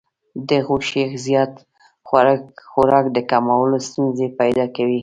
د غوښې زیات خوراک د کولمو ستونزې پیدا کوي.